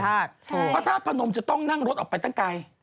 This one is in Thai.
พระธาตุพนมจะต้องนั่งรถออกไปตั้งไกล